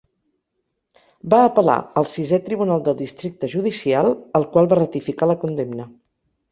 Va apel·lar al sisè tribunal del districte judicial, el qual va ratificar la condemna.